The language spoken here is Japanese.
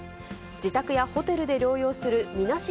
自宅やホテルで療養するみなし